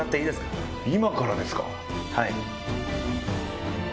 はい。